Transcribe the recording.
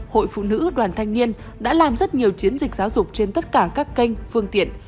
hội phụ nữ đoàn thanh niên đã làm rất nhiều chiến dịch giáo dục trên tất cả các kênh phương tiện